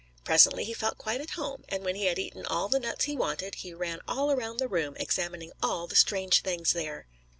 Presently he felt quite at home, and when he had eaten all the nuts he wanted, he ran all around the room, examining all the strange things there.